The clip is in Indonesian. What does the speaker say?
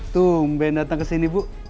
tunggu ben datang kesini bu